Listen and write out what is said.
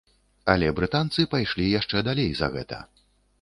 Але брытанцы пайшлі яшчэ далей за гэта.